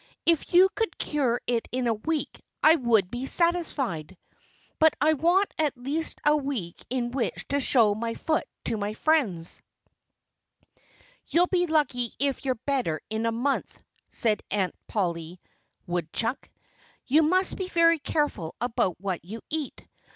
If you could cure it in a week I would be satisfied. But I want at least a week in which to show my foot to my friends." "You'll be lucky if you're better in a month," said Aunt Polly Woodchuck. "You must be very careful about what you eat.